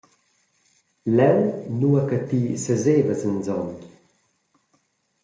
Leu, nua che ti sesevas anson.